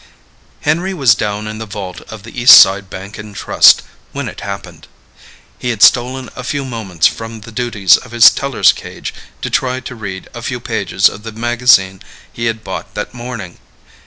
Henry was down in the vault of the Eastside Bank & Trust when it happened. He had stolen a few moments from the duties of his teller's cage to try to read a few pages of the magazine he had bought that morning.